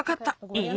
いい？